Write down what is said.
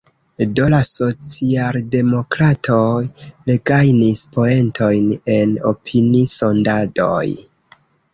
Do la socialdemokratoj regajnis poentojn en opini-sondadoj.